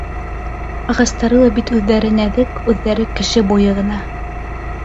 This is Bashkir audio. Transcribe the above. Ағастары ла бит әле үҙҙәре нәҙек, үҙҙәре кеше буйы ғына.